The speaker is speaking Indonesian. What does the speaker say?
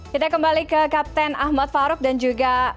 kita kembali ke kapten ahmad farouk dan juga